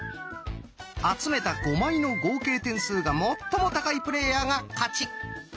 集めた５枚の合計点数が最も高いプレーヤーが勝ち。